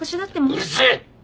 うるせえ！